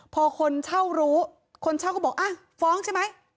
พอคนเช่ารู้คนเช่าก็บอกฟ้องใช่ไหม